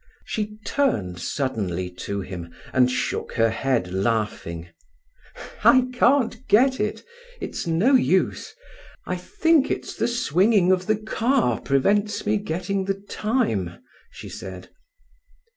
She turned suddenly to him, and shook her head, laughing. "I can't get it—it's no use. I think it's the swinging of the car prevents me getting the time," she said.